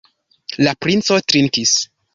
La princo trinkis.